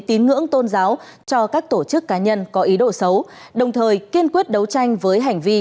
tín ngưỡng tôn giáo cho các tổ chức cá nhân có ý đồ xấu đồng thời kiên quyết đấu tranh với hành vi